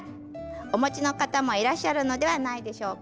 お持ちの方もいらっしゃるのではないでしょうか。